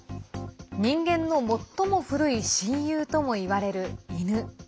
人間の最も古い親友とも言われる犬。